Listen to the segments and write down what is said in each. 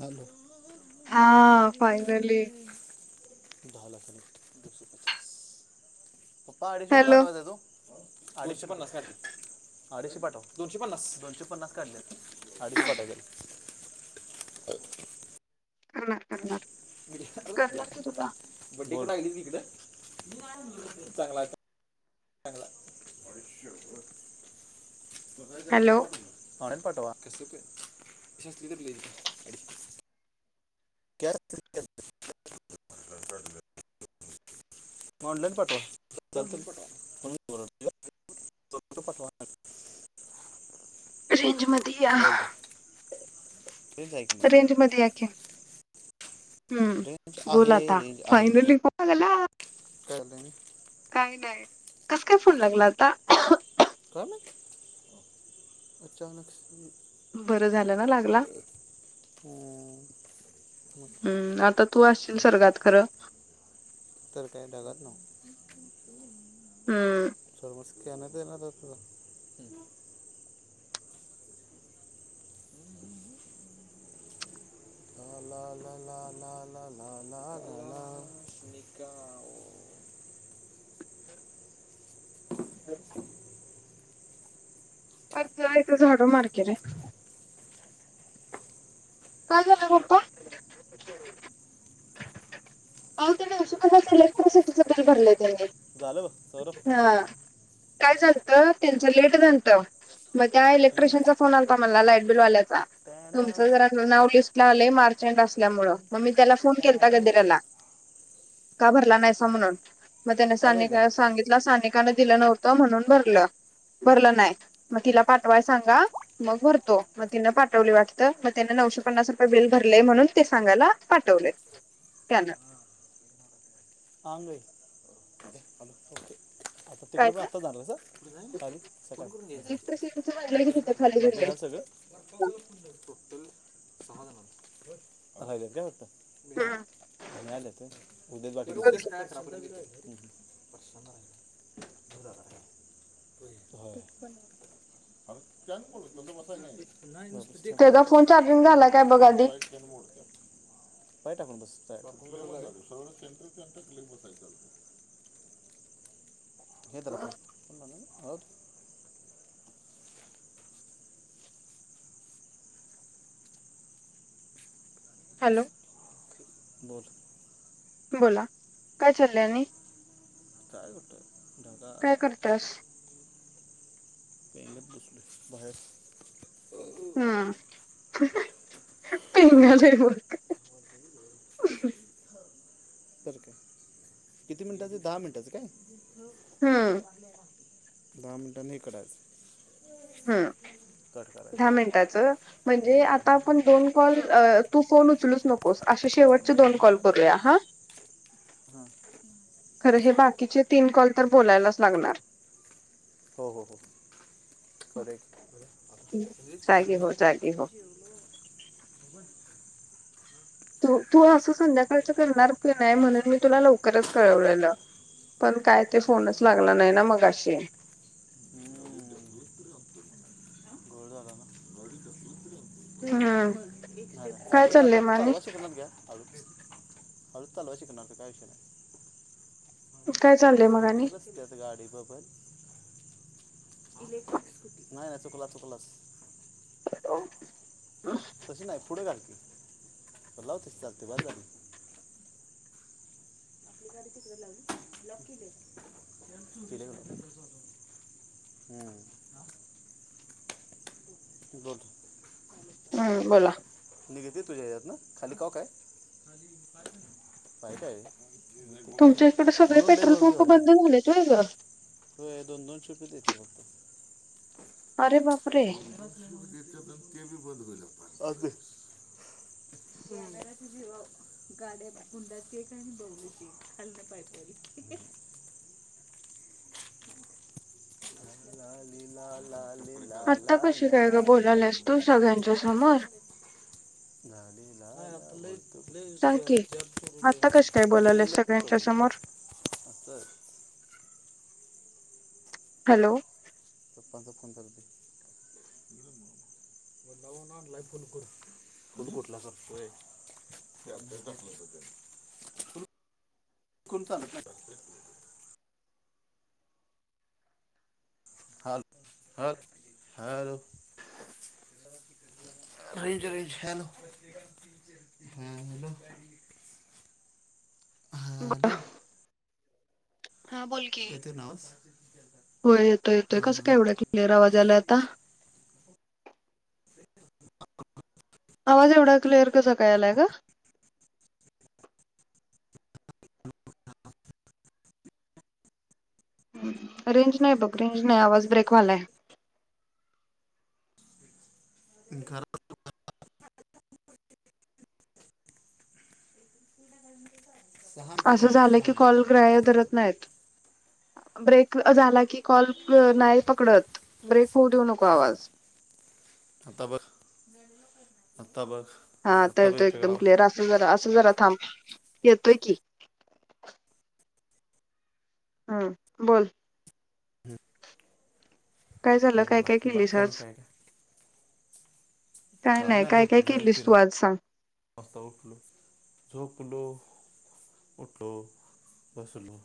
Hello हा finally दहा लाखांनी दोशे पस पपाहाडीशिय हॅलो पाठवायचा तो. [unintelligible] अडीचशे पन्नाससाठी अडीशे पाटव दोनशे पन्नास, दोनशे पन्नास काढल्यात अडीशे पाटवायचेत. करणार करणार. करणार की [inaudible] तुला बुड्डी [unintelligible] चांगलय चांगलय. आयशपथ! हॅलो [unintelligible] [inaudible] पाठवा. [inaudible] [inaudible] ऑनलाईन पाठवा. [unintelligible] [inaudible] पाठवा. [inaudible] रेंजमधी या. रेंज हाय. रेंजमध्ये या कि. हम्म, रेंज बोल आहे आता रेंज आहे पण फायनली कॉल लला. [inaudible] काय नाय, कस काय फोन लागला आता? काय माहीत, अचानक [unintelligible] बरं झालं ना लागला? हम्म. मग हम्म, आता तू असशील स्वर्गात खरं. तर काय, ढगातन. हम्म [unintelligible] स्कॅनर दे ना रे तुजा, हम्म. हम हम हम हम. ला ला ला ला ला ला ला ला निकाओ. [unintelligible] [unintelligible] इथ झाडू मारकी रे. काय झालं पप्पा? आवो त्यानी [unintelligible] इलेक्ट्रिसिटीचं बिल भरलय. झालं बघ सौरभ हा, काय झालत त्यांचं लेट झालतं. म त्या इलेक्ट्रिशियनचा फोन आलता मला लाईट बिलवाल्याचा, टाड्याव, तुमचं जरा नाव लिस्ट लई मार्च एंड असल्यामुळे टाड्याव, म मी त्याला फोन केलता टाड्याव. गदिराला. का भरला नायसा म्हणून म त्यान हा काय का सानिका सांगित तिला सानिकान दिलं नव्हतं म्हणून भरलं. भरलं नाय म तिला पाठवाय सांगा, मग भरतो म तिनं पाठवली वाटतं म त्यान नऊशे पन्नास रुपये बिल भरलय म्हणून ते सांगायला पाठवले त्यान. [inaudible] आता काय तिकडपण ते आताच [inaudible] सकाळ इलेक्ट्रिसिटीचं म्हणलं की तिथं खाली [unintelligible] [inaudible] बाकी गेले झाल सगळ [unintelligible] टोटल सहा जणाच. [inaudible] मिळालेत, मिळालेत व्हय. [inaudible] [inaudible] पटकण. [inaudible] [inaudible] [unintelligible] त्याचा फोन चार्जिंग झाला काय बघ आधी पाय टाकून बस. [inaudible] [inaudible] हे धरा फोन. फोन लावला काय? ओ हॅलो. बोल. बोला, काय चाललय आणि? काय कुठ? काय ढगात. करतास पेंगत बसलोय बाहेर. हुं. [inaudible] पेंगालय बोलतोय. बर काय? किती मिनिटाचे, दहा मिनिटाचं काय? हम्म दहा मिनिटांनी हे करायचंय. हुं. दहा करायचं मिनटाच म्हणजे आता आपण दोन कॉल अ तू फोन उचलूच नकोस, अशे शेवटचे दोन कॉल करूया हा. खरं हे बाकीचे तीन कॉल तर, बोलायलाच लागणार. हो हो हो. करूया की. जेवलीस? जागी हो जागी जेवलो हो बाबा [unintelligible] तू तू असं संध्याकाळच करणार की नाही म्हणून मी तुला लव करच कळवलेलं, पण काय ते फोनच लागला नाही ना मगाशी. हुं. घोळ झाला ना. हम्म काय चालवते आता चाललंय त मग आणि चालवाय शिकणार घ्या. हळूच, हळूच चालवायला शिकणार काय विषय नाही. काय चाललंय मग सग आणि नसत्यात गाडीबरोबर इलेक्ट्रिक स्कुटी. नाही नाही, चुकलास चुकलास. हॅलो, हू. तशी नाही पुढं घाल. लावतस चालते बास झाली. ही गाडी तिकडे लावली. लॉक केली, केलीना लॉक. हुं. आ. बोल. हू म बोला. निघत तुझ्या ह्यात न? खाली कॉक हाय. [unintelligible] बाईक हाय व्हय. तुमच्या इकडे सगळे म्हणून लई पेट्रोल भरून पंप ठेवायचं नाही. बंद झालेत व्हय ग होय दोन दोनशे रुपय देत्यात वाटतं. अरे बापरे दोनशे च, ते बी बंद होइल आता. चालतय. शला तुझे गाड्या कुंडात केक आणि बघत ली ची खाललं पाहिजे तरी, ओके. लला ला आत्ता कशी काय ग ला बोलायल्यास तू सगळ्यांच्या समोर [inaudible] काय आपल? डे सांग च की चोरून आता कशी काय नाही तेल् बोलायल्यास बी आता सगळ्यांच्या चोरणार, समोर आस हॅलो. पपांचा फोन घ्यालती. स्वतःहून आणलाय फुल करून, फुल कुटला संपतोय. ते अभ्यास चांगला करतय. कोण चालत नाही. हल ह hello. Range range hello, hello. हा हॅलो. बा हा बोल की, येते नावच हो येतोय येतोय. कसं काय एवढा क्लेअर आवाज यालाय आता? आवाज अ एवढा क्लिअर, कसा काय याय लागलाय ग? रेंज नाही बघ. रेंज नाही, आवाज ब्रेक व्हालाय. [inaudible] [inaudible] असं झालं सहा की मिनटं कॉल बरोबर ग्राह्य धरत नाहीत. ब्रेक झाला की कॉल अ नाही पकडत. ब्रेक होऊ देऊ नको आवाज. आता ब, आता बघ. हा आता बघ येतोय इथं एकदम गाव क्लिअर, असं जरा, असं जरा थांब. येतोय की. हम्म बोल. काय झालं? काय बोला काय केलीस बाकी आणि आज? काय काय काय नाही. काय काय केलीस तू आज सांग? आत्ता उठलो, झोपलो उठलो. बसलो.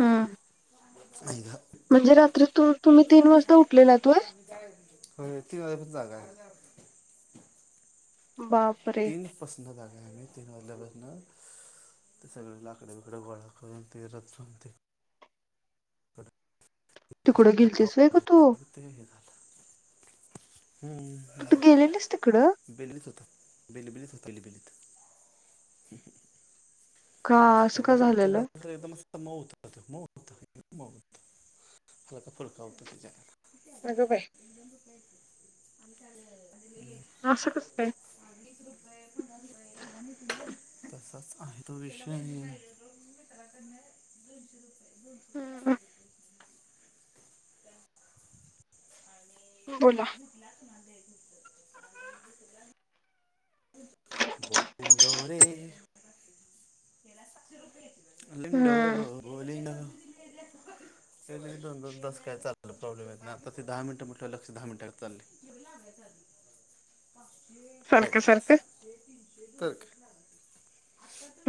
हम्म म्हणजे रात्री तू, तुम्ही तीन वाजता उठलेलात व्हय? होय, तीन वाजेपासून जागा हाय. बाप तीन पसंन जागा आहे मी, तीन वाजल्या पासनं ते सगळ लाकड बिकड गोळा करून ते रचूनते तिकडं गेलतीस व्हय ग तू? [unintelligible] हू हू. तू गेली नाहीस तीकड? [unintelligible] होता, बेलबेली होता, बेलबेलीत. हुं. का असं त्याला का तर उचलल्या झालेलं उचलल्या एकदमच मऊ [unintelligible] [unintelligible] अग बाई! असं कसं काय [inaudible] [unintelligible] [unintelligible] दोनशे रुपये. दोनशे का हम्म पाचशे रुपे [unintelligible] आणि बोला. [unintelligible] [inaudible] हम्म [inaudible] [inaudible] एरवी दोन -दोन तास काय [unintelligible] प्रॉब्लेम येत नाही, आता ते दहा मिनटं म्हटल्यावर लक्ष दहा मिनिटागत चालली. [unintelligible] सारख- सारख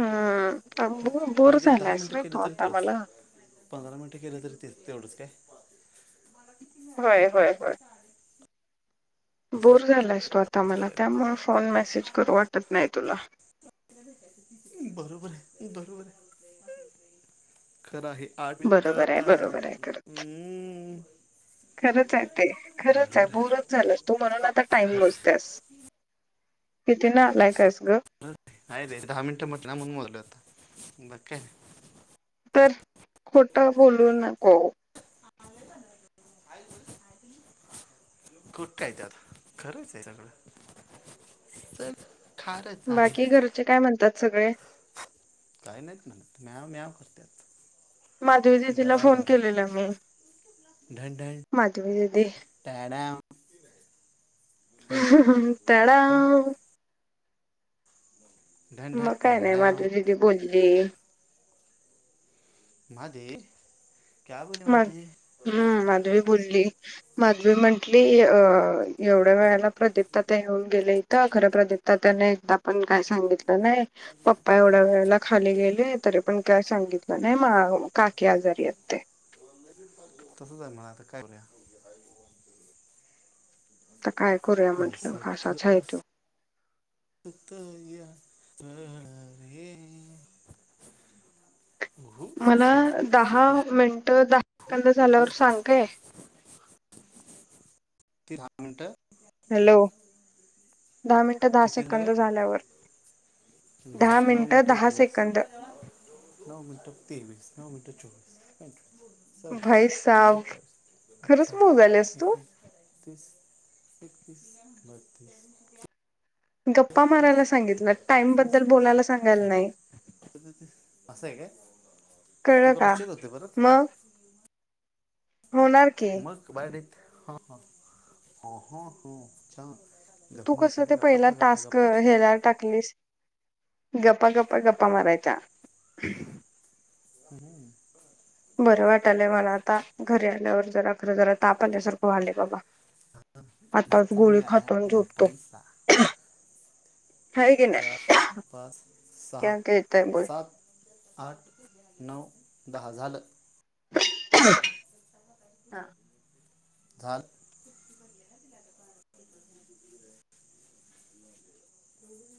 हम्म बोर बोर म्हणजे दहा झालायस मिनिट रे केले तू तरी आता तच मला पंधरा मिनिटं केलं तरी तेच तेवढंच काय? मला किती? होय- होय- होय. असं बोर झालायस तू आता मला, करायचं त्यामुळ फोन मेसेज करू वाटत नाही तुला. बरोबर आहे, बरोबर आहे, खरं आहे. बरोबर आहे, बरोबर आहे. खरं. हम हम खरंच आहे ते, खरंच आहे बोरच झालं तू, म्हणून आता टाइम खरं आहे, मोजतेस किती नालायक आहेस गं? न्हया रे दहा मिनिटं म्हटला ना, म्हणून मोजलं होता., बाकी काय? तर,, खोटा बोलू नको आले पंधरा दिवस खोटं काय त्यात आता, खरंच आहे सगळं तर बाकी घरचे काय म्हणतात सगळे काही नाहीत म्हणा म्याव- म्याव करत्यात माधवी दिदीला फोन केलेला, मी माधवी दिदी त्याड्यावं आहे त्याडाव ढण मग काय नाही टाळ्याव माधवी दीदी बोली माधवी क्या बोले मग माधवी? हम्म माधवी बोलली, माधवी म्हंटली एवढ्या वेळेला प्रदीप तात्या ते येऊन गेले इथं, खरं प्रदीप तात्या त्याने एकदा पण काय सांगितलं नाही पप्पा एवढ्या वेळेला खाली गेले., तरी पण काय सांगितलं नाही., मा काकी आजारी येत ते तसंच आहे म्हणा आता करूया आता काय करूया अस म्हटलं स तर असाच आहे अस तो कत वरे उह मला उ दहा मिनिटं दहा सेकंद उ झाल्यावर सांग काय ती दहा मिनटं हॅलो दहा मिनिटं दहा किती सेकंद दिल्यावर झाल्यावर दहा नऊ मिनिटं मीनीट दहा एक वीस सेकंद नऊ मिनटं तेवीस, नऊ मिनटं चोवीस, पांच विस सव्वीस, भाई साब सत्तावीस, खरंच मोजायल्यास अठ्ठावीस, तू एकोणीस बतीस, एकतीस, बत्तीस गप्पा बत्तीस मारायला सांगितलं टाईमबद्दल पस्तीस बोलायला सांगायला छत्तीस नाही असं आहे काय कळलं ते का क्रॉस चेक होते परत मग होणार की हा हा हा हा हा हो,, छान तू गप्पा कस ते मारशील गप्पा पहिला गप्पा गप्पा टास्क गप्पा घ्यालाला टाकलीस गपपा- गप्पा -गप्पा मारायचा हम्म बरं वाटलंय मला आता घरी आल्यावर जरा खरं जरा ताप आल्यासारखं व्हलय बगा आत्ताच गोळी सांगा खातोय अन् आया पैसा झोपतोय चार, पाच, सहा, क्या कहता है बोल सात आठ, नऊ, दहा, झालं टं हं काल शेटजी म्हणले ना तीला दुकानात येवू नको म्हणून अरे सोडून जा